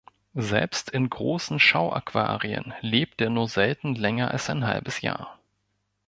Selbst in großen Schauaquarien lebt er nur selten länger als ein halbes Jahr.